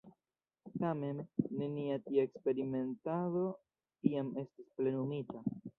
Tamen, nenia tia eksperimentado iam estis plenumita.